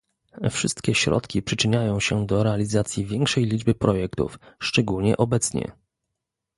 Wszystkie środki przyczynią się do realizacji większej liczby projektów, szczególnie obecnie